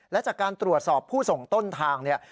และจากการตรวจสอบผู้ส่งต้นทางเนี่ย